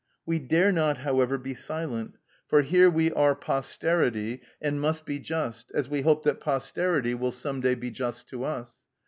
We dare not, however, be silent; for here we are posterity, and must be just, as we hope that posterity will some day be just to us.